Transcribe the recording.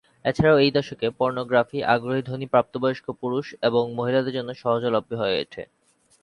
এছাড়াও এই দশকে, পর্নোগ্রাফি আগ্রহী ধনী প্রাপ্তবয়স্ক পুরুষ এবং মহিলাদের জন্য সহজলভ্য হয়ে ওঠে।